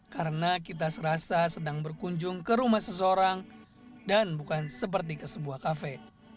karena kita serasa sedang berkunjung ke rumah seseorang dan bukan seperti ke sebuah kafe